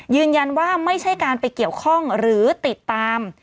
ยืนยันว่าไม่ใช่การไปเกี่ยวข้องหรือติดตาม